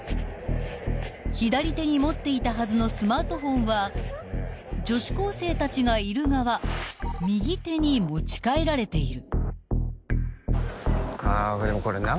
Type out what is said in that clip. ［左手に持っていたはずのスマートフォンは女子高生たちがいる側右手に持ち替えられている］